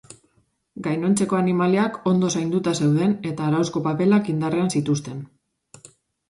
Gainontzeko animaliak ondo zainduta zeuden eta arauzko paperak indarrean zituzten.